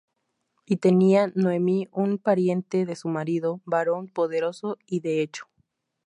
Y Tenia Noemi un pariente de su marido, varón poderoso y de hecho.